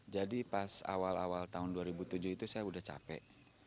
jadi pas awal awal tahun dua ribu tujuh itu saya sudah capek